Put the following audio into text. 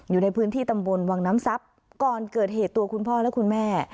อยู่ในพื้นที่ตำบลวังน้ำทรัพย์ก่อนเกิดเหตุตัวคุณพ่อและคุณแม่